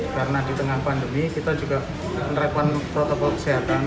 karena di tengah pandemi kita juga merekon protokol kesehatan